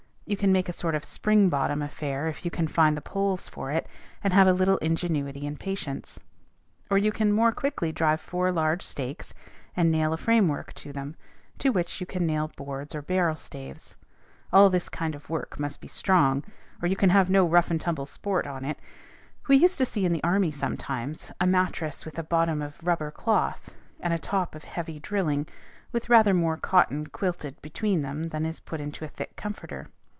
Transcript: You can make a sort of spring bottom affair if you can find the poles for it, and have a little ingenuity and patience; or you can more quickly drive four large stakes, and nail a framework to them, to which you can nail boards or barrel staves. All this kind of work must be strong, or you can have no rough and tumble sport on it. We used to see in the army sometimes, a mattress with a bottom of rubber cloth, and a top of heavy drilling, with rather more cotton quilted between them than is put into a thick comforter.